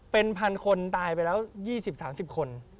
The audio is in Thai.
เป็นพันคนตายไปแล้ว๒๐๓๐คน